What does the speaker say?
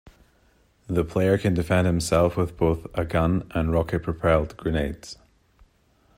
The player can defend himself with both a gun and rocket-propelled grenades.